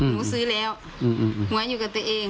หนูซื้อแล้วหวยอยู่กับตัวเอง